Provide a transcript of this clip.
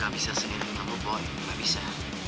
gak bisa sendiri gak bisa